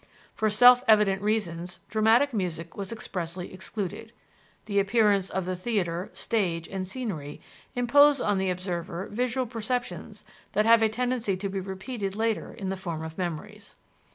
For self evident reasons dramatic music was expressly excluded: the appearance of the theater, stage, and scenery impose on the observer visual perceptions that have a tendency to be repeated later in the form of memories.